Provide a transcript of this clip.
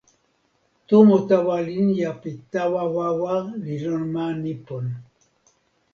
tomo tawa linja pi tawa wawa li lon ma Nipon.